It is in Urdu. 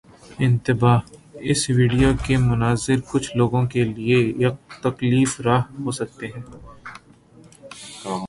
انتباہ: اس ویڈیو کے مناظر کچھ لوگوں کے لیے تکلیف دہ ہو سکتے ہیں